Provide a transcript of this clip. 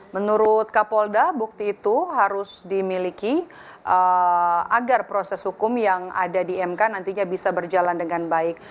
menurut kapolda bukti itu harus dimiliki agar proses hukum yang ada di mk nantinya bisa berjalan dengan baik